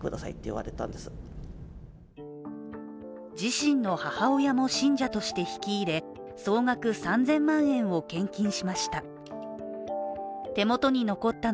自身の母親も信者として引き入れ総額３０００万円を献金しました。